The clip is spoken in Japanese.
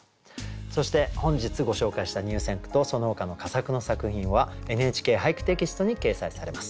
そして本日ご紹介した入選句とそのほかの佳作の作品は「ＮＨＫ俳句」テキストに掲載されます。